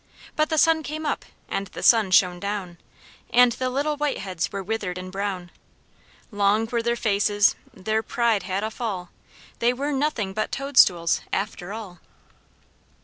But the sun came up, and the sun shone down, And the little white heads were withered and brown; Long were their faces, their pride had a fall They were nothing but toadstools, after all.